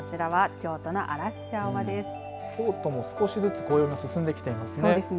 京都も少しずつ紅葉が進んできていますね。